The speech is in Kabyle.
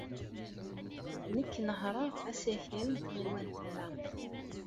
Nekk nehṛeɣ asakal n tɣiwant-nneɣ.